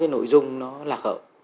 cái nội dung nó lạc hở